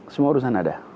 semua urusan ada